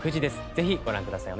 ぜひご覧ください。